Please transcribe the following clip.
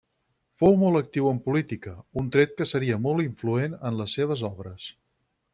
Fou molt actiu en política, un tret que seria molt influent en les seves obres.